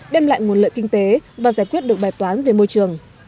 đem lại nguồn lợi kinh tế và giải quyết được bài toán về môi trường